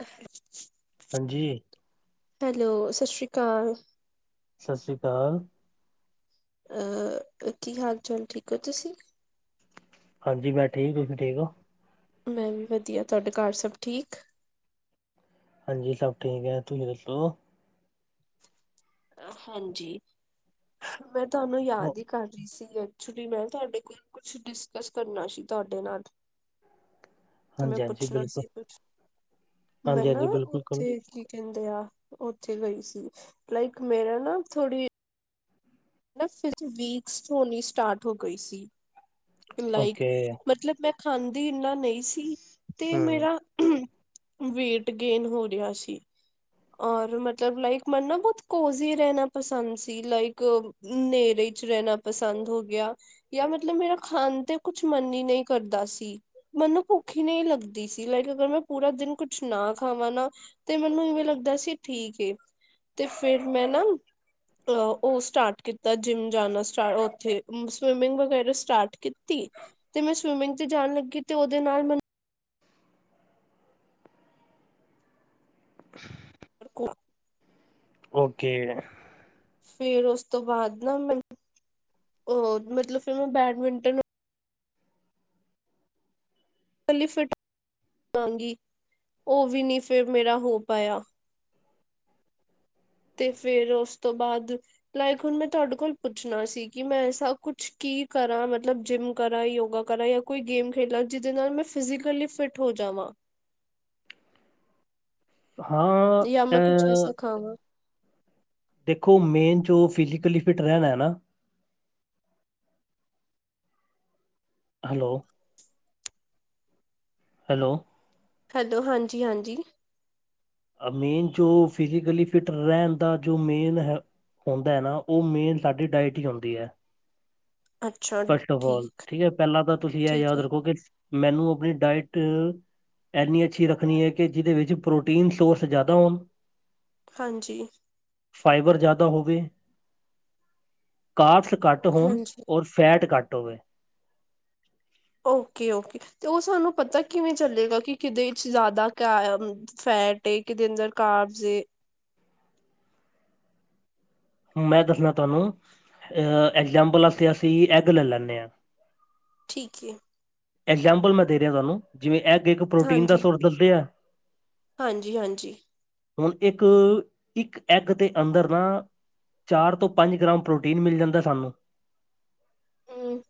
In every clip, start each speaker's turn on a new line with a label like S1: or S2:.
S1: ਅ [unintelligible]
S2: ਹਾਂਜੀ
S1: ਹੈਲੋ, ਸਸ ਸ੍ਰੀ ਕਾਲ।
S2: ਸਸ ਸ੍ਰੀ ਕਾਲ।
S1: ਅ ਕੀ ਹਾਲ ਚਾਲ ਠੀਕ ਹੋ ਤੁਸੀਂ
S2: ਹਾਂਜੀ ਮੈਂ ਠੀਕ ਤੁਸੀਂ ਠੀਕ ਹੋ।
S1: ਮੈਂ ਵੀ ਵਧੀਆ ਤੁਹਾਡੇ ਘਰ ਸਭ ਠੀਕ।
S2: ਹਾਂਜੀ ਸਭ ਠੀਕ ਹੈ ਤੁਸੀਂ ਸੁਣਾਓ।
S1: ਹਾਂਜੀ, ਮੈਂ ਥੂਆਨੂੰ
S2: ਓ-
S1: ਯਾਦ ਈ ਕਰ ਰੀ ਸੀ। [unintelligible] ਤੁਹਾਡੇ ਕੋਲ ਕੁਛ ਡਿਸਕਸ ਕਰਨਾ ਸੀ, ਤੁਹਾਡੇ ਨਾਲ। ਮੈਂ
S2: ਹਾਂਜੀ ਹਾਂਜੀ
S1: ਪੁੱਛਨਾ
S2: ਬਿਲਕੁਲ
S1: ਸੀ ਕੁੱਛ, ਮੈਂ
S2: ਹਾਂਜੀ
S1: ਨਾ
S2: ਹਾਂਜੀ ਬਿਲਕੁਲ ਕਰੋ।
S1: ਓਥੇ ਕੀ ਕੀ ਕੈਂਦੇ ਆ, ਓਥੇ ਗਈ ਸੀ ਲਾਈਕ ਮੇਰਾ ਨਾ ਥੋੜੀ ਨਾ ਫਿਰ ਤੋ ਵੀਕਸ ਹੋਨੀ ਸਟਾਟ ਹੋ ਗਈ ਸੀ, ਲਾਈਕ
S2: ਓਕੇ
S1: ਮਤਲਬ ਮੈਂ ਖਾਂਦੀ ਇੰਨਾ ਨਈ ਸੀ ਤੇ
S2: ਹਮ
S1: ਮੇਰਾ ਵੇਟ ਗੇਨ ਹੋ ਰੇਆ ਸੀ। ਔਰ ਮਤਲਬ ਲਾਈਕ ਮੈਨ ਨਾ, ਬੋਤ ਕੋਜ਼ੀ ਰੈਨਾ ਪਸੰਦ ਸੀ ਲਾਈਕ ਨੇਰੇੇ ਚ ਰੈਨਾ ਪਸੰਦ ਹੋ ਗੇਆ। ਯਾਰ ਮਤਲਬ ਮੇਰਾ ਖਾਨ ਤੇ ਕੁਛ ਮਨ ਈ ਨਈ ਕਰਦਾ ਸੀ। ਮੈਨੂੰ ਭੁੱਖੀ ਨਹੀਂ ਲੱਗਦੀ ਸੀ ਲਾਈਕ ਅਗਰ ਮੈਂ ਪੂਰਾ ਦਿਨ ਕੁਛ ਨਾ ਖਾਵਾਂ ਨਾ। ਤੇ ਮੈਨੂੰ ਇਵੇਂ ਲੱਗਦਾ ਸੀ ਠੀਕ ਏ ਤੇ ਫਿਰ ਮੈਂ ਨਾ। ਉਹ ਸਟਾਰਟ ਕੀਤਾ ਜਿੰਮ ਜਾਣਾ ਸਟਾਰ ਉੱਥੇ ਸਵਿਮਿੰਗ ਵਗੈਰਾ ਸਟਾਰਟ ਕੀਤੀ। ਤੇ ਮੈਂ ਸਵਿਮਿੰਗ ਤੇ ਜਾਣ ਲੱਗੀ ਤੇ ਉਹਦੇ ਨਾਲ ਮੈਨੂੰ [unintelligible]
S2: ਓਕੇ
S1: ਫੇਰ ਉਸ ਤੋਂ ਬਾਅਦ ਨਾ ਮੈ ਓ ਮਤਲਬ ਫਿਰ ਮੈਂ ਬੈਡਮਿੰਟਨ ਇਕੱਲੀ ਫਟਾਂਗੀ ਉਹ ਵੀ ਨਹੀਂੀ ਫੇਰ ਮੇਰਾ ਹੋ ਪਾਇਆ। ਤੇ ਫੇਰ ਉਸ ਤੋਂ ਬਾਅਦ ਲਾਈਕ ਹੁਣ ਮੈਂ ਤੁਹਾਡੇ ਕੋਲ ਪੁੱਛਣਾ ਸੀ ਕਿ ਮੈਂ ਐਸਾ ਕੁਛ ਕੀ ਕਰਾਂ ਮਤਲਬ ਜਿੰਮ ਕਰਾਂ ਯੋਗਾ ਕਰਾਂ ਜਾਂ ਕੋਈ ਗੇਮ ਖੇਡਾਂ ਜਿਹਦੇ ਨਾਲ ਮੈਂ ਫਿਜ਼ਕਲੀ ਫਿਟ ਹੋ ਜਾਵਾਂ।
S2: ਹਾਂ
S1: ਜਾਂ
S2: ਅ
S1: ਮੈਂ ਕੁੱਛ ਐਸਾ ਖਾਵਾ।
S2: ਦੇਖੋ ਮੇਨ ਜੋ ਫਿਜ਼ਕਲੀ ਫਿਟ ਰਹਿਣਾ ਹੈ ਨਾ। ਹੈਲੋ ਹੈਲੋ
S1: ਹੈਲੋ ਹਾਂਜੀ-ਹਾਂਜੀ
S2: ਮੇਨ ਜੋ ਫਿਜ਼ਕਲੀ ਫਿਟ ਰਹਿਣ ਦਾ ਜੋ ਮੇਨ ਹੈ। ਹੁੰਦਾ ਹੈ ਨਾ ਉਹ ਮੇਨ ਸਾਡੀ ਡਾਇਟ ਹੀ ਹੁੰਦੀ ਹੈ। ਫਸਟ ਆਫ ਆਲ ਠੀਕ ਹੈ ਪਹਿਲਾਂ ਤਾਂ ਤੁਸੀਂ ਇਹ
S1: ਠੀਕ
S2: ਯਾਦ
S1: ਹੈ
S2: ਰੱਖੋ ਕਿ ਮੈਨੂੰ ਆਪਣੀ ਡਾਇਟ ਇੰਨੀ ਅੱਛੀ ਰੱਖਣੀ ਹੈ ਕਿ ਜਿਹਦੇ ਵਿੱਚ ਪ੍ਰੋਟੀਨ ਤੋਸ ਜ਼ਿਆਦਾ ਹੋਣ
S1: ਹਾਂਜੀ
S2: ਫਾਈਬਰ ਜ਼ਿਆਦਾ ਹੋਵੇ ਕਾਰਟਸ ਘੱਟ ਹੋਣ
S1: ਹਾਂਜੀ
S2: ਔਰ ਫੈਟ ਘੱਟ ਹੋਵੇ।
S1: ਓਕੇ- ਓਕੇ ਤੇ ਉਹ ਸਾਨੂੰ ਪਤਾ ਕਿਵੇਂ ਚੱਲੇਗਾ ਕਿ ਕਿਦੇ 'ਚ ਜ਼ਿਆਦਾ ਕ ਫੈਟ ਏ ਕਿਤੇ ਅੰਦਰ ਕਾਬਜ਼ ਏ।
S2: ਮੈਂ ਦੱਸਣਾ ਤੁਹਾਨੂੰ ਅ ਐਗਜਾਮਪਲ ਵਾਸਤੇ ਅਸੀਂ ਐਗ ਲੈ ਲੈਂਦੇ ਹਾਂ।
S1: ਠੀਕ ਏ।
S2: ਇਗਜਾਮਪਲ ਮੈਂ ਦੇ ਰਿਹਾ ਤੁਹਾਨੂੰ ਜਿਵੇਂ ਐਗ ਇੱਕ ਪ੍ਰੋਟੀਨ ਦਾ
S1: ਹਾਂਜੀ
S2: ਸੋਰਸ ਦਸਿਆ।
S1: ਹਾਂਜੀ- ਹਾਂਜੀ
S2: ਹੁਣ ਇੱਕ- ਇੱਕ ਐਗ ਦੇ ਅੰਦਰ ਨਾ ਚਾਰ ਤੋਂ ਪੰਜ ਗ੍ਰਾਮ ਪ੍ਰੋਟੀਨ ਮਿਲ ਜਾਂਦਾ ਸਾਨੂੰ
S1: ਹੂੰ।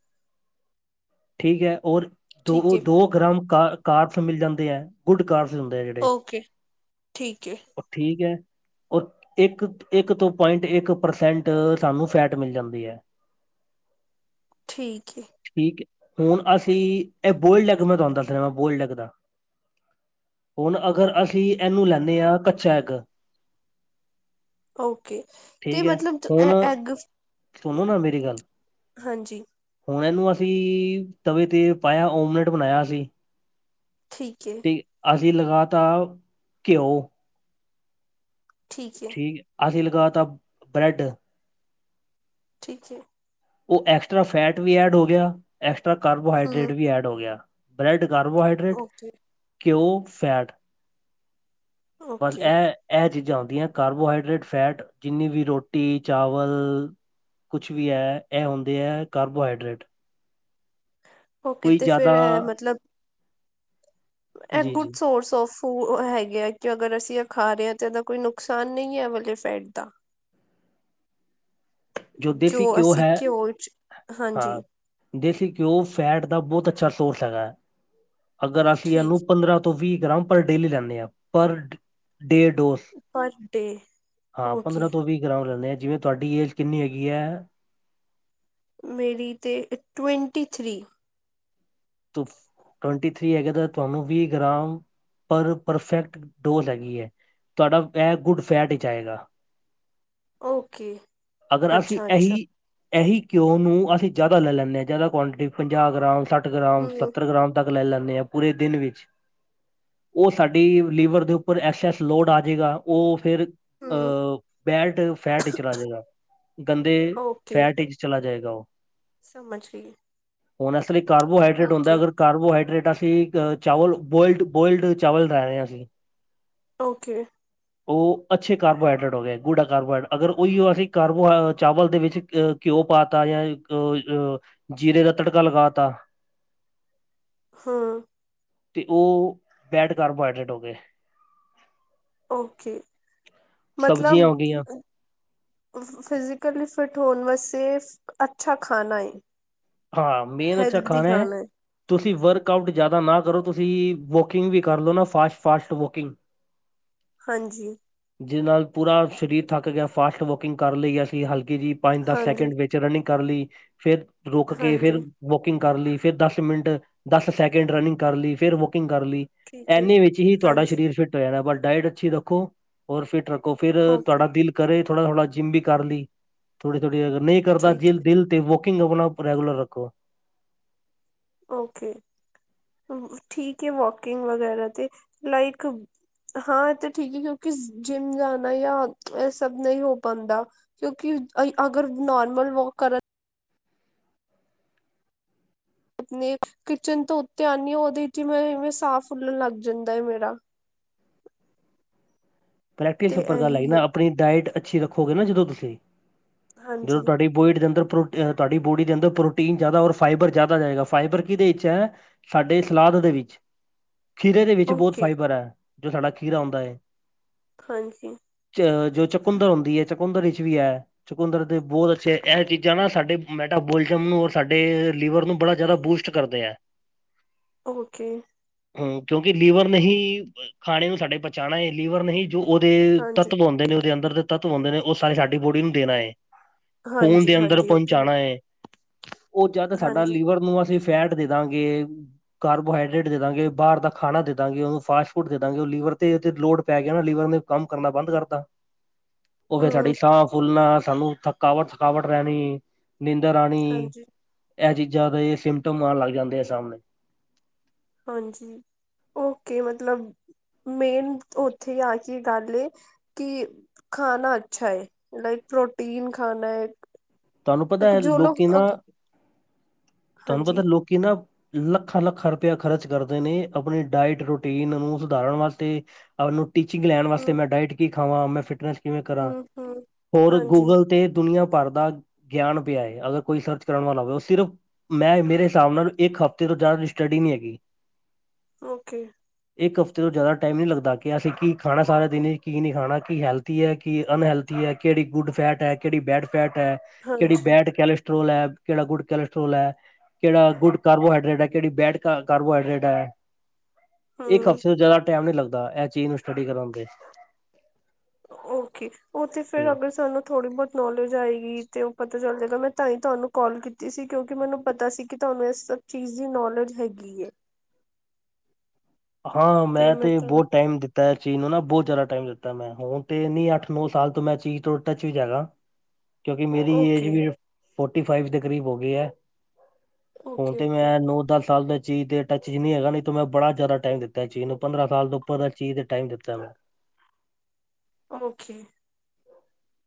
S2: ਠੀਕ ਹੈ, ਔਰ
S1: ਠੀਕ ਹੈ
S2: ਦੋ-ਦੋ ਗ੍ਰਾਮ ਕ ਕਾਰਡਸ ਮਿਲ ਜਾਂਦੇ ਹੈ। ਗੁੱਡ ਕਾਰਸ ਹੁੰਦੇ ਆ ਜਿਹੜੇ
S1: ਓਕੇ ਠੀਕ ਏ
S2: ਉਹ ਠੀਕ ਹੈ। ਇੱਕ-ਇੱਕ ਤੋਂ ਪੁਆਇੰਟ ਇੱਕ ਪਰਸੈਂਟ ਸਾਨੂੰ ਫੈਟ ਮਿਲ ਜਾਂਦੀ ਹੈ।
S1: ਠੀਕ ਏ।
S2: ਠੀਕ ਹੈ ਹੁਣ ਅਸੀਂ ਇਹ ਬੋਲਡੈਕ ਮੈਂ ਤੁਹਾਨੂੰ ਦੱਸਣਾ ਵਾ ਬੋਲਡੈਕ ਦਾ। ਹੁਣ ਅਗਰ ਅਸੀਂ ਇਹਨੂੰ ਲੈਂਦੇ ਹਾਂ ਕੱਚਾ ਐਗ
S1: ਓਕੇ ਅਤੇ
S2: ਠੀਕ ਹੈ
S1: ਮਤਲਬ ਐ
S2: ਹੁਣ
S1: ਐਗ
S2: ਸੁਣੋ ਨਾ ਮੇਰੀ ਗੱਲ
S1: ਹਾਂਜੀ।
S2: ਹੁਣ ਇਹਨੂੰ ਅਸੀਂ ਤਵੇ ਤੇ ਪਾਇਆ ਓਮਲੇਟ ਬਣਾਇਆ ਅਸੀ
S1: ਠੀਕ ਏ।
S2: ਅਸੀਂ ਲਗਾ ਤ ਘਿਓ
S1: ਠੀਕ ਏ।
S2: ਠੀਕ ਅਸੀਂ ਲਗਾ ਤਾ ਬਰੈਡ
S1: ਠੀਕ ਏ।
S2: ਉਹ ਐਕਸਟਰਾ ਫੈਟ ਵੀ ਐਡ ਹੋ ਗਿਆ ਐਕਸਟਰਾ
S1: ਹੂੰ
S2: ਕਾਰਬੋਹਾਈਡਰੇਟ ਵੀ ਐਡ ਹੋ ਗਿਆ ਬਲੈਡ ਕਾਰਬੋਹਾਡ ਬਰੈਡ
S1: ਓਕੇ
S2: ਘਿਓ ਫੈਟ ਪਰ
S1: ਓਕੇ
S2: ਇਹ ਇਹ ਚੀਜ਼ਾਂ ਆਉਂਦੀਆਂ ਕਾਰਬੋਹਾਈਡਰੇਟ, ਫੈਟ ਜਿੰਨੀ ਵੀ ਰੋਟੀ, ਚਾਵਲ ਕੁਛ ਵੀ ਹੈ। ਇਹ ਹੁੰਦੇ ਹੈ। ਕਾਰਬੋਹਾਈਡਰੇਟ।
S1: ਹੋ
S2: ਕੋਈ
S1: ਕਿਤੇ
S2: ਜ਼ਿਆਦਾ
S1: ਫੇਰ ਮਤਲਬ ਐਹ
S2: ਜੀ
S1: ਗੁੱਡ
S2: ਜੀ
S1: ਸੋਰਸ ਔਫ ਹੈਗੇ ਆ ਕਿ ਅਗਰ ਅਸੀਂ ਖਾ ਰਹੇ ਹਾਂ ਤਾਂ ਇਹਦਾ ਕੋਈ ਨੁਕਸਾਨ ਨਹੀਂ ਹੈ ਵਾਲੇ ਫੈਟ ਦਾ
S2: ਜੋ ਦੇਸੀ ਘਉ
S1: ਅਸੀਂ
S2: ਹੈ,
S1: ਘਿਓ ਚ
S2: ਹਾਂ
S1: ਹਾਂਜੀ
S2: ਦੇਸੀ ਘਿਓ ਫੈਟ ਦਾ ਬਹੁਤ ਅੱਛਾ ਸੋਰਸ ਹੈਗਾ ਹੈ, ਅਗਰ ਅਸੀਂ ਇਹਨੂੰ
S1: ਠੀਕ
S2: ਪੰਦਰਾਂ ਤੋਂ ਵੀਹ ਗ੍ਰਾਮ ਪਰ ਡੇਲੀ ਲੈਂਦੇ ਹਾਂ ਪਰ ਡੇ ਡੋਜ਼?
S1: ਪਰ ਡੇ
S2: ਹਾਂ,
S1: ਓਕੇ
S2: ਪੰਦਰਾਂ ਤੋਂ ਵੀਹ ਗਾਰਾਮ ਲੈਂਦੇ ਆਾ ਜਿਵੇਂ ਤੁਹਾਡੀ ਏਜ ਕਿੰਨੀ ਹੈਗੀ ਹੈ?
S1: ਮੇਰੀ ਤੇ ਟਵੈਂਟੀ ਥ੍ਰੀ
S2: ਟਵੰਟੀ ਥ੍ਰੀ ਹੈਗਾ ਤਾਂ ਤੁਹਾਨੂੰ ਵੀਹ ਗ੍ਰਾਮ ਪਰ ਪਰਫੈਕਟ ਡੋਜ਼ ਹੈਗੀ ਹੈ। ਤੁਹਾਡਾ ਇਹ ਗੁੱਡ ਫੈਟ ਚ ਆਏਗਾ।
S1: ਓਕੇ
S2: ਅਗਰ ਅਸੀਂ
S1: ਅੱਛਾ
S2: ਏਹੀ
S1: ਅੱਛਾ
S2: ਇਹੀ ਘਿਉ ਨੂੰ ਅਸੀਂ ਜ਼ਿਆਦਾ ਲੈ ਲੈਂਦੇ ਹਾਂ ਜ਼ਿਆਦਾ ਕੁਆਂਟਿਟੀ ਪੰਜਾਹ, ਗ੍ਰਾਮ, ਸੱਠ ਗ੍ਰਾਮ,
S1: ਹੂੰ
S2: ਸੱਤਰ ਗ੍ਰਾਮ ਤੱਕ ਲੈ ਲੈਂਦੇ ਆ ਪੂਰੇ ਦਿਨ ਵਿੱਚ ਉਹ ਸਾਡੀ ਲੀਵਰ ਦੇ ਉੱਪਰ ਐਕਸਸ ਲੋਡ ਆ ਜਾਵੇਗਾ ਉਹ ਫੇਰ ਅ
S1: ਹੂੰ
S2: ਬੈਲਟ ਫੈਟ ਹੀ ਚਲਾ ਜਾਏਗਾ ਗੰਦੇ ਫੈਟ ਚਲਾ ਜਾਏਗਾ ਉਹ।
S1: ਸਰ ਮਛਲੀ
S2: ਹੁਣ ਇਸ ਲਈ ਕਾਰਬੋਹਾਈਡਰੇਟ ਹੁੰਦਾ ਅਗਰ ਕਾਰਬੋਹਾਈਡਰੇਟ ਅਸੀਂ ਚਾਵਲ ਬੋਇਲਡ-ਬੋਇਲਡ ਚਾਵਲ ਲੈ ਰਹਿ ਰਹੇ ਹਾਂ ਅਸੀਂ।
S1: ਓਕੇ।
S2: ਉਹ ਅੱਛੇ ਕਾਰਬੋਹਾਈਡਰੇਟ ਹੋ ਗਏ ਗੂਢ ਕਾਰਬੋਹਾਈਡਟ ਅਗਰ ਉਹੀ ਅਸੀਂ ਕਾਰਬੋ ਚਾਵਲ ਦੇ ਵਿੱਚ ਘਿਓ ਪਾਤਾ ਜਾਂ ਜੀਰੇ ਦਾ ਤੜਕਾ ਲਗਾਤਾ।
S1: ਹੂੰ
S2: ਤੇ ਉਹ ਬੈਡ ਕਾਰਬੋਹਾਈਡਰੇਟ ਹੋ ਗਏ।
S1: ਓਕੇ ਮਤਲਬ
S2: ਸਬਜ਼ੀਆਂ ਹੋ ਗਈਆਂ
S1: ਫਿਜ਼ਕਲੀ ਫਿਟ ਹੋਣ ਵੈਸੇੜ ਅੱਛਾ ਖਾਨਾ ਹੈ।
S2: ਹਾਂ, ਮੇਨ ਅਛਾ ਖਾਣਾ ਹੈ। ਤੁਸੀਂ ਵਰਕ ਆਊਟ ਜ਼ਿਆਦਾ ਨਾ ਕਰੋ ਤੁਸੀਂ ਵੋਕਿੰਗ ਵੀ ਕਰ ਲਓ ਨਾ ਫਾਸਟ-ਫਾਸਟ ਵੋਕਿੰਗ।
S1: ਹਾਂਜੀ।
S2: ਜਿਹਦੇ ਨਾਲ ਪੂਰਾ ਸਰੀਰ ਥੱਕ ਗਿਆ ਫਾਸਟ ਵੋਕਿੰਗ ਕਰ ਲਈ ਅਸੀਂ ਹਲਕੀ ਜਿਹੀ ਪੰਜ ਦਸ
S1: ਹਾਂਜੀ
S2: ਸੈਕਿੰਡ ਵਿੱਚ ਰਨਿੰਗ ਕਰ ਲਈ ਫੇਰ ਰੁਕ ਕੇ ਫੇਰ
S1: ਹਾਂਜੀ
S2: ਵੋਕਿੰਗ ਕਰ ਲਈ ਫੇਰ ਦਸ ਮਿੰਟ ਦਸ ਸੈਕਿੰਡ ਰਨਿੰਗ ਕਰ ਲਈ ਫੇਰ ਵੋਕਿੰਗ ਕਰ ਲੀ।
S1: ਠੀਕ ਹੈ
S2: ਇਨੇ ਵਿੱਚ ਹੀ ਤੁਹਾਡਾ
S1: ਹਾਂਜੀ
S2: ਸਰੀਰ ਫਿੱਟ ਹੋ ਜਾਣਾ ਪਰ ਡਾਇਟ ਅੱਛੀ ਰੱਖੋ। ਔਰ ਫਿਟ ਰੱਕੋ ਫਿਰ ਤੁਹਾਡਾ
S1: ਓਕੇ
S2: ਦਿਲ ਕਰੇ ਥੋੜਾ-ਥੋੜਾ ਜਿੰਮ ਵੀ ਕਰਨ ਲਈ ਥੋੜੀ-ਥੋੜ੍ਹੀ ਅਰਰ ਨਈ ਕਰਦਾ
S1: ਠੀਕ
S2: ਜਿਮ
S1: ਹੈ
S2: ਦਿਲ ਤੇ ਵੋਕਿੰਗ ਆਪਨਾ ਰੈਗੂਲਰ ਰੱਖੋ।
S1: ਓਕੇ ਠੀਕ ਹੈ, ਵੋਕਿੰਗ ਵਗੈਰਾ ਤੇ ਲਾਈਕ ਹਾਂ, ਇਹ ਤੇ ਠੀਕ ਹੈ ਕਿਉਂਕਿ ਜਿੰਮ ਜਾਣਾ ਜਾਂ ਇਹ ਸਭ ਨਹੀਂ ਹੋ ਪਾਉਂਦਾ। ਕਿਉਂਕਿ ਅਗਰ ਨੋਰਮਲ ਵੋਕ ਕਰਨ ਆਪਣੇ ਕਿਚਨ ਤੋਂ ਉੱਤੇ ਆਉਂਨੀ ਆ, ਉਹਦੇ ਚ ਮੇ ਇਵੇਂ ਸਾਫ਼ ਫੁੱਲਣ ਲੱਗ ਜਾਂਦਾ ਹੈ ਮੇਰਾ।
S2: ਪ੍ਰੈਕਟਿਸ
S1: ਤੇ
S2: ਉੱਪਰ ਗੱਲ
S1: ਇਹੀ
S2: ਆਈ
S1: ਹੈ
S2: ਨਾ ਆਪਣੀ ਡਾਇਟ ਅੱਛੀ ਰੱਖੋਗੇ ਨਾ ਜਦੋਂ ਤੁਸੀਂ ਜਦੋਂ
S1: ਹਾਂਜੀ
S2: ਤੁਹਾਡੀ ਬੋਇਡ ਦੇ ਅੰਦਰ ਪ੍ਰੋ ਤੁਹਾਡੀ ਬੋਡੀ ਦੇ ਅੰਦਰ ਪ੍ਰੋਟੀਨ ਜ਼ਿਆਦਾ ਔਰ ਫਾਈਬਰ ਜ਼ਿਆਦਾ ਜਾਏਗਾ ਫਾਈਬਰ ਕਿਹਦੇ ਵਿੱਚ ਹੈ? ਸਾਡੇ ਸਲਾਦ ਦੇ ਵਿੱਚ ਖੀਰੇ ਦੇ ਵਿੱਚ ਬਹੁਤ
S1: ਓਕੇ
S2: ਫਾਈਬਰ ਹੈ ਜੋ ਸਾਡਾ ਖੀਰਾ ਆਉਂਦਾ ਹੈ।
S1: ਹਾਂਜੀ।
S2: ਚ ਜੋ ਚਕੁੰਦਰ ਹੁੰਦੀ ਹੈ, ਚਕੁੰਦਰ ਵਿੱਚ ਵੀ ਹੈ ਚਕੁੰਦਰ ਦੇ ਬਹੁਤ ਅੱਛੇ ਇਹ ਚੀਜ਼ਾਂ ਨਾ ਸਾਡੇ ਮੈਟਾਬੋਲਿਜ਼ਮ ਨੂੰ ਔਰ ਸਾਡੇ ਲੀਵਰ ਨੂੰ ਬੜਾ ਜ਼ਿਆਦਾ ਬੂਸਟ ਕਰਦੇ ਹੈ।
S1: ਓਕੇ।
S2: ਹ ਕਿਉਂਕਿ ਲੀਵਰ ਨੇ ਹੀ ਖਾਣੇ ਨੂੰ ਸਾਡੇ ਪਹੁੰਚਾਉਣਾ ਏ ਲੀਵਰ ਨੇ ਹੀ ਜੋ ਉਹਦੇ
S1: ਹਾਂਜੀ
S2: ਤੱਤਵ ਹਉਂਦੇ ਨੇ ਉਹਦੇ ਅੰਦਰ ਦੇ ਤੱਤਵ ਹੁੰਦੇ ਨੇ ਉਹ ਸਾਰੀ ਸਾਡੀ ਬੋਡੀ ਨੂੰ ਦੇਨਾ ਏ। ਖੂਨ
S1: ਹਾਂਜੀ
S2: ਦੇ ਅੰਦਰ
S1: ਹਾਂਜੀ ਉਹ ਤੇ
S2: ਪਹੁੰਚਾਉਣਾ ਹੈ ਉਹ ਜਦ ਸਾਡਾ
S1: ਹਾਂਜੀ
S2: ਲੀਵਰ ਨੂੰ ਅਸੀ ਫੈਟ ਦੇ ਦਾਂਗੇ ਕਾਰਬੋਹਾਈਡਰੇੇਟ ਦੇ ਦਾਂਗੇ, ਬਾਹਰ ਦਾ ਖਾਣਾ ਦੇ ਦਾਂਗੇ, ਉਹਨੂੰ ਫਾਸਟ ਫੂਡ ਦੇ ਦਾਂਗੇ ਉਹ ਲੀਵਰ ਤੇ ਤੇ ਲੋੜ ਪੈ ਗਿਆ ਨਾ। ਲੀਵਰ ਨੇ ਕੰਮ ਕਰਨਾ ਬੰਦ ਕਰਤਾ ਉਹ ਫੇਰ
S1: ਹਮ
S2: ਸਾਡੀ ਸਾਹ ਫੁਲਣਾ ਸਾਨੂੰ ਥ ਥਕਾਵਟ-ਥਕਾਵਟ ਰਹਿਨੀ ਨੀਂਦਰ ਆਣੀ
S1: ਹਾਂਜੀ
S2: ਇਹ ਚੀਜ਼ਾਂ ਦੇ ਸਿਮਟਮ ਆਣ ਲੱਗ ਜਾਂਦੇ ਆ ਸਾਹਮਣੇ।
S1: ਹਾਂਜੀ ਓਕੇ ਮਤਲਬ ਮੇਨ ਉੱਥੇ ਆ ਕੇ ਗੱਲ ਐ ਕਿ ਖਾਣਾ ਅੱਛਾ ਏ ਲਾਈਕ ਪ੍ਰੋਟੀਨ ਖਾਣਾ ਏ।
S2: ਤੁਹਾਨੂੰ ਪਤਾ ਹੈ ਲੋਕੀ ਨਾ, ਤੁਹਾਨੂੰ
S1: ਹਾਂਜੀ
S2: ਪਤਾ ਲੋਕੀ ਨਾ ਲੱਖਾਂ-ਲੱਖਾਂ ਰੁਪਇਆ ਖਰਚ ਕਰਦੇ ਨੇ ਆਪਣੀ ਡਾਇਟ ਰੂਟੀਨ ਨੂੰ ਸੁਧਾਰਨ ਵਾਸਤੇ ਆਪਨੂੰ ਟੀਚਿੰਗ ਲੈਣ ਵਾਸਤੇ
S1: ਹਮ
S2: ਮੈਂ ਡਾਇਟ ਕੀ ਖਾਵਾਂ ਮੈਂ ਫਿਟਨੈਸ ਕਿਵੇਂ ਕਰਾਂ
S1: ਹਮ ਹਮ
S2: ਹੋਰ
S1: ਹਾਂਜੀ
S2: ਗੂਗਲ ਤੇ ਦੁਨੀਆਂ ਭਰ ਦਾ ਗਿਆਨ ਪਾਇਆ ਏ ਅਗਰ ਕੋਈ ਸਰਰਚ ਕਰਨ ਵਾਲਾ ਹੋਵੇ ਉਹ ਸਿਰਫ ਮੈਂ ਮੇਰੇ ਹਿਸਾਬ ਨਾਲ ਇੱਕ ਹਫ਼ਤੇ ਤੋਂ ਜਾਦਾ ਸਟੱਡੀ ਨੀ ਹੈਗੀ।
S1: ਓਕੇ
S2: ਇੱਕ ਹਫ਼ਤੇ ਤੋਂ ਜਾਦਾ ਟਾਈਮ ਨਹੀਂ ਲੱਗਦਾ ਕਿ ਅਸੀਂ ਕੀ ਖਾਣਾ ਸਾਰਾ ਦਿਨ ਕੀ ਨਹੀਂ ਖਾਣਾ ਕੀ ਹੈਲਥ ਥੀ ਹੈ ਕਿ ਅਨਹੈਲਥੀ ਹੈ ਕਿਹੜੀ ਗੁੱਡ ਫੈਟ ਹੈ ਕਿਹੜੀ ਬੈਡ ਫੈਟ ਹੈ। ਕਿਹੜੀ
S1: ਹਾਂਜੀ
S2: ਬੈਡ ਕੈਲਸਟਰ੍ਰੋਲ ਹੈ। ਕਿਹੜਾ ਗੁੱਡ ਕੋਲੈਸਟ੍ਰੋਲ ਹੈ, ਕਿਹੜਾ ਗੁੱਡ ਕਾਰਬੋਹਾਡਰੇਟ ਹੈ, ਕਿਹੜੀ ਬੈਡ ਕਾਰਬੋਹਾਈਡਰੇਟ ਹੈ। ਇੱਕ
S1: ਹਮ
S2: ਹਫ਼ਤੇ ਤੋਂ ਜਾਦਾ ਟਾਈਮ ਨੀ ਲੱਗਦਾ ਇਹ ਚੀਜ਼ ਨੂੰ ਸਟੱਡੀ ਕਰਨ ਤੇ।
S1: ਓਕੇ ਉਹ ਤੇ ਫੇਰ ਅਗਰ ਸਾਨੂੰ ਥੋੜੀ ਬਹੁਤ ਨੌਲੇਜ ਆਏਗੀ ਤੇ ਉਹ ਪਤਾ ਚੱਲ ਜਾਏਗਾ ਮੈਂ ਤਾਂ ਹੀ ਤੁਹਾਨੂੰ ਕੋਲ ਕੀਤੀ ਸੀ ਕਿਉਂਕਿ ਮੈਨੂੰ ਪਤਾ ਸੀ ਕਿ ਤੁਹਾਨੂੰ ਇਸ ਸਭ ਚੀਜ਼ ਦੀ ਨੌਲੇਜ ਹੈਗੀ ਹੈ।
S2: ਹਾਂ ਮੈਂ ਤੇ ਬਹੁਤ ਟਾਈਮ ਦਿੱ ਤਾਂ ਚੀਜ਼ ਨੂੰ ਨਾ ਬਹੁਤ ਜਾਦਾ ਟਾਈਮ ਦਿੱਤਾ ਮੈਂ ਹੁਣ ਤੇ ਨੀ ਅੱਠ, ਨੌ ਸਾਲ ਤੋਂ ਮੈਂ ਚੀਜ਼ ਤੋਂ ਟੱਚ ਵਿਚ ਹੈਗਾ।
S1: [inaudible]
S2: ਕਿਉਂਕਿ ਮੇਰੀ ਏਜ
S1: ਓਕੇ
S2: ਵੀ ਫੋਟੀ ਫਾਈਵ ਦੇ ਕਰੀਬ ਹੋ ਗਈ ਹੈ। ਹੁਣ
S1: ਓਕੇ
S2: ਤੇ
S1: ਓਕੇ
S2: ਮੈਂ ਨੋ ਦਸ ਸਾਲ ਦੇ ਚੀਜ਼ ਦੇ ਟੱਚ ਚ ਨੀ ਹੈਗਾ ਨ ਮੈਂ ਬੜਾ ਜ਼ਿਆਦਾ ਟਾਈਮ ਦਿੱਤਾ ਚੀਜ਼ ਨੂੰ ਪੰਦਰਾਂ ਸਾਲ ਤੋਂ ਉੱਪਰ ਦਾ ਚੀਜ਼ ਤੇ ਟਾਈਮ ਦਿੱਤਾ ਮੈਂ।
S1: ਓਕੇ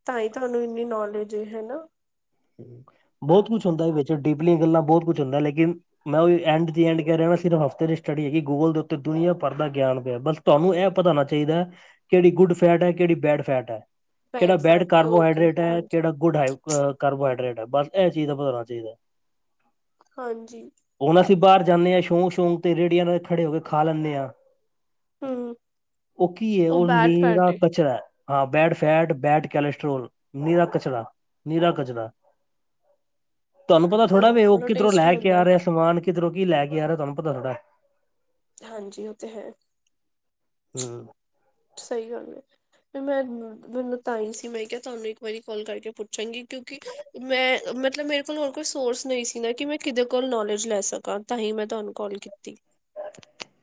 S1: ਤਾਂ ਹੀ ਤੁਹਾਨੂੰ ਇੰਨੀ ਨੌਲੇਜ ਏ ਹਨਾ।
S2: ਬਹੁਤ ਕੁਛ ਹੁੰਦਾ ਵਿੱਚ ਡੀਪਲੀਆਂ ਗੱਲਾਂ ਬਹੁਤ ਕੁੱਛ ਹੁੰਦਾ ਲੇਕਿਨ ਮੈ ਓਇ ਐਂਡ ਦੀ ਐਂਡ ਕਹਿ ਰੇਆ ਨਾ ਸਿਰਫ ਹਫ਼ਤੇ ਦੀ ਸਟੱਡੀ ਹੀ ਗੋਲ ਦੇ ਉੱਤੇ ਦੁਨੀਆ ਭਰ ਦਾ ਗਿਆਨ ਪਿਆ ਬਸ ਤੁਆਨੂੰ ਇਹ ਪਤਾ ਹੋਣਾ ਚਾਹੀਦਾ ਕੇੜੀ ਗੁੱਡ ਫੈਟ ਐ? ਕੇੜੀ ਬੈਡ ਫੈਟ ਐ? ਕਿਹੜਾ
S1: bad
S2: bad
S1: fat okay
S2: carbohydrate ਐ
S1: ਹਾਂਜੀ
S2: ਕਿਹੜਾ ਗੁੱਡ ਹਾਈ ਅ ਕਾਰਬੋਹਾਈਡਰੇਟ ਐ ਬਸ ਐ ਚੀਜ਼ ਦਾ ਪਤਾ ਹੋਣਾ ਚਾਹੀਦਾ।
S1: ਹਾਂਜੀ
S2: ਹੁਣ ਅਸੀਂ ਬਾਰ ਜਾਂਦੇ ਹਾਂ ਸ਼ੌਂਕ-ਸ਼ੌਂਕ ਤੇ ਰੇਹੜੀਆਂ ਨਾਲ ਖੜੇ ਹੋ ਕੇ ਖਾ ਲੈਂਨੇ ਹਾਂ।
S1: ਹਮ
S2: ਉਹ ਕੀ ਹੈ ਉਹ
S1: ਬੈਟ
S2: ਨੀਰਾ
S1: ਫੈਟ
S2: ਕਚਰਾ। ਹਾਂ ਬੈਡ ਫੈਟ, ਬੈਡ ਕੈਲੇਸਟ੍ਰੋਲ ਨੀਰਾ ਕਚਰਾ ਨੀਰਾ ਕਚ ਤੁਹਾਨੂੰ ਪਤਾ ਥੋੜਾ
S1: ਹਮ
S2: ਵੇ ਉਹ
S1: ਚਲੋ
S2: ਕਿਧਰੋਂ
S1: ਟੇਸਟੀ
S2: ਲੈ ਕੇ
S1: ਹੁੰਦਾ
S2: ਆ
S1: ਹੈ
S2: ਰਿਹਾ ਸਮਾਨ ਕਿਧਰੋਂ ਕੀ ਲੈ ਕੇ ਆ ਰਹੇ ਤੁਹਾਨੂੰ ਪਤਾ ਥੋੜਾ।
S1: ਹਾਂਜੀ ਉਹ ਤੇ ਹੈ।
S2: ਹੂੰ।
S1: ਸਈ ਗੱਲ ਏ ਮੈਂ ਮ ਬੀ ਮੈਂ ਤਾਂ ਆਈ ਸੀ, ਮੈਂ ਕਿਆ ਤੁਆਨੂੰ ਇੱਕ ਵਾਰੀ ਕੌਲ ਕਰਕੇ ਪੁੱਛਾਂਗੀ ਕਿਉਂਕਿ ਮੈਂ ਮਤਲਬ ਮੇਰੇ ਕੋਲ ਹੋਰ ਕੋਈ ਸੋਰਸ ਨਈ ਸੀ ਮੈਂ ਕਿਵੇ ਕਿਦੇ ਕੋਲ ਨੋਲੇਜ਼ ਲੈ ਸਕਾ ਤਾਂ ਹੀ ਮੈਂ ਤੁਹਾਨੂੰ ਕੌਲ ਕੀਤੀ।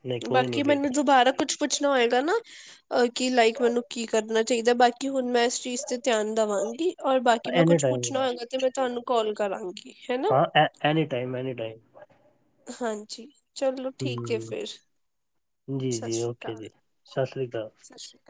S2: ਨਹੀਂ ਕੋਈ
S1: ਬਾਕੀ
S2: ਨਹੀਂ ਜੀ
S1: ਮੈਨੂੰ ਦੁਬਾਰਾ ਕੁੱਛ ਪੁੱਛਨਾ ਹੋਏਗਾ ਨਾ ਅ ਕੀ ਲਾਈਕ ਮੈਨੂੰ ਕੀ ਕਰਨਾ ਚਾਈਦਾ ਏ, ਬਾਕੀ ਹੁਣ ਮੈ ਇਸ ਚੀਜ਼ ਤੇ ਧਿਆਨ ਦਵਾਂਗੀ। ਔਰ ਬਾਕੀ ਮੈਂ
S2: ਐਨੀ
S1: ਕੁੱਛ
S2: ਟਾਈਮ
S1: ਪੁੱਛਨਾ ਹੋਏਗਾ ਤੇ ਮੈਂ ਤੁਆਨੂੰ ਕੌਲ ਕਰਾਂਗੀ। ਹੈ ਨਾ
S2: ਹਾਂ, ਅ ਐਨੀ ਟਾਈਮ, ਐਨੀ ਟਾਈਮ।
S1: ਹਾਂਜੀ। ਚਲੋ ਠੀਕ ਏ
S2: ਹੂੰ
S1: ਫਿਰ,
S2: ਜੀ ਜੀ
S1: ਸਸ਼੍ਰੀ
S2: ਓਕੇ
S1: ਕਾਲ
S2: ਜੀ ਸਤਿ ਸ੍ਰੀ ਅਕਾਲ
S1: ਸਸ਼੍ਰੀ